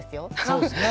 そうですね！